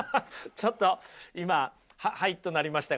ちょっと今「ははい」となりましたが。